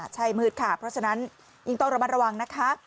ใช่มืดค่ะเพราะฉะนั้นยิ่งต้องระมัดระวังนะคะ